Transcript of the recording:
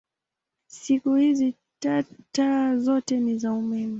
Siku hizi taa zote ni za umeme.